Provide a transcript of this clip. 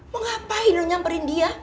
mengapain lo nyamperin dia